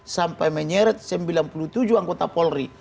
sampai menyeret sembilan puluh tujuh anggota polri